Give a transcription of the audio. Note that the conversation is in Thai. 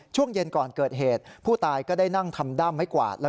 ช่วงเย็นก่อนเกิดเหตุผู้ตายก็ได้นั่งทำด้ามไม้กวาด